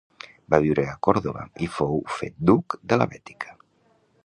Va viure a Còrdova i fou fet duc de la Bètica.